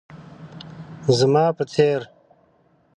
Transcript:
زما په څير